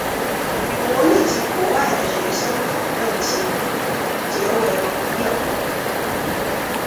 与国内及外国的学生讨论及结为笔友。